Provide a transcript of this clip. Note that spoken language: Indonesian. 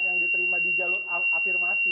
yang diterima di jalur afirmasi